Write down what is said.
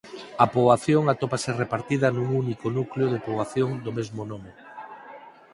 A poboación atópase repartida nun único núcleo de poboación do mesmo nome.